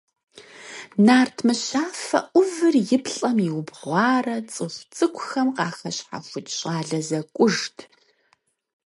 Нарт мыщафэ Ӏувыр и плӀэм иубгъуарэ цӀыху цӀыкӀухэм къахэщхьэхукӀ щӀалэ зэкӀужт.